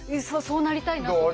そうなりたいな。